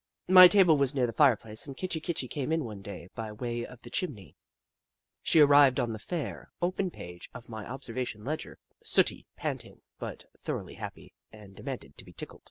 My table was near the fireplace and Kitchi Kitchi came in one day by way of the chimney. She arrived on the fair, open page of my observation ledger, sooty, panting, but thor oughly happy, and demanded to be tickled.